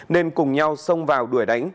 nên cùng nhau xông vào đuổi đánh